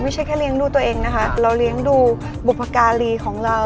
ไม่ใช่แค่เลี้ยงดูตัวเองนะคะเราเลี้ยงดูบุพการีของเรา